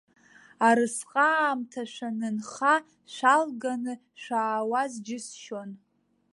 Арысҟаамҭа шәанынха шәалганы шәаауаз џьысшьон.